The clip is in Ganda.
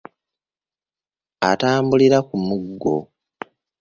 Atambulira ku miggo.